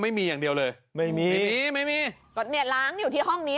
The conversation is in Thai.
พระอาจารย์ออสบอกว่าอาการของคุณแป๋วผู้เสียหายคนนี้อาจจะเกิดจากหลายสิ่งประกอบกัน